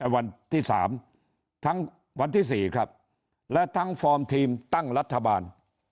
วันที่๓ทั้งวันที่๔ครับและทั้งฟอร์มทีมตั้งรัฐบาล